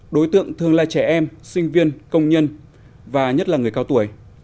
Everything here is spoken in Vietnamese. đối tượng thường là trẻ em sinh viên công nhân và nhất là người cao tuổi